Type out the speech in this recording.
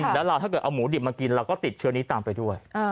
แล้วเราถ้าเกิดเอาหมูดิบมากินเราก็ติดเชื้อนี้ตามไปด้วย